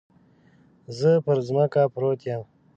زه پر ځمکه پروت يم.